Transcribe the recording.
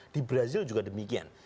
di brazil juga demikian